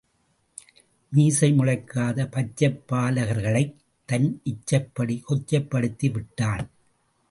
மீசை முளைக்காத பச்சைப் பால கர்களைத் தன் இச்சைப்படி கொச்சைப்படுத்தி விட்டான்.